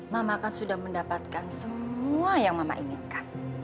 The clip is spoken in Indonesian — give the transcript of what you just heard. mama kan sudah mendapatkan semua yang mama inginkan